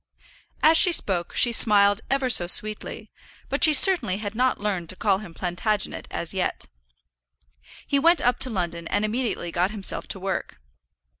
As she spoke she smiled ever so sweetly, but she certainly had not learned to call him Plantagenet as yet. He went up to London and immediately got himself to work.